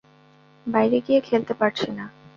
বাইরে গিয়ে খেলতে পারছে না।